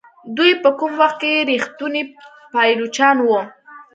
دوی په کوم وخت کې ریښتوني پایلوچان وو.